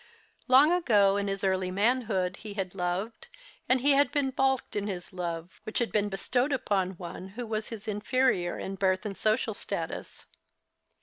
Long ago, in his early manhood, he had loved, and he had been balked in his love, which had been bestowed upon one who was his inferior in birth and social status.